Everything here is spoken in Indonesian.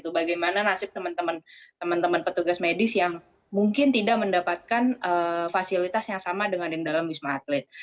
bagaimana nasib teman teman petugas medis yang mungkin tidak mendapatkan fasilitas yang sama dengan yang dalam wisma atlet